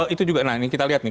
itu juga nah ini kita lihat nih